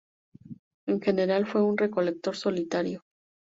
En general fue un recolector solitario.